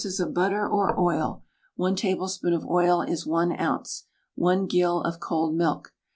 of butter or oil (1 tablespoonful of oil is 1 oz.), 1 gill of cold milk.